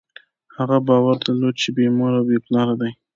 هغه باور درلود، چې بېمور او بېپلاره دی.